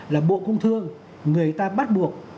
là bộ công thương người ta bắt buộc